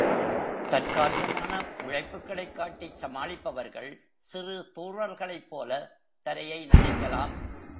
தற்காலிகமான உழைப்புக்களைக் காட்டிச் சமாளிப்பவர்கள் சிறு தூறல்களைப் போலத் தரையை நனைக்கலாம்.